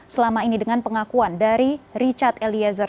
selama ini dengan pengakuan dari richard eliezer